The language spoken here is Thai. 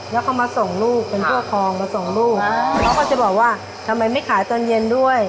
แล้วเขามาส่งลูกเป็นเพื่อทองมาส่งลูกเขาก็จะบอกว่าทำไมไม่ขายตอนเย็นด้วย